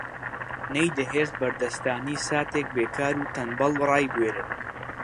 نەیدەهێشت بەردەستانی ساتێک بێکار و تەنبەڵ ڕایبوێرن